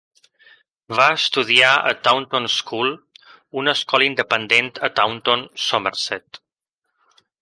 Va estudiar a Taunton School, una escola independent a Taunton, Somerset.